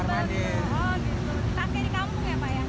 kita pakai di kampung ya pak ya